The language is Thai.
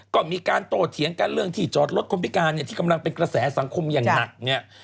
ก็มีการโตเถียงกันเรื่องที่จอดรถคนพิการเนี่ยที่กำลังเป็นกระแสสังคมอย่างหนักเนี่ย